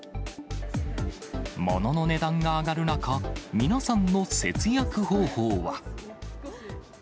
ものの値段が上がる中、皆さんの節約方法は。